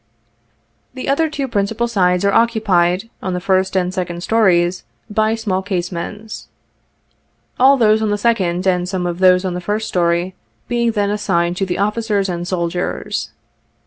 The other two principal sides are occupied, on the first and second stories, by small casemates ; all those on the second and some of those on the first story, being then assigned to the officers and soldiers.